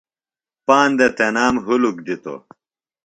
پاندہ تنام ہُلک دِتوۡ۔